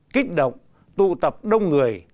kích động tụ tập đông người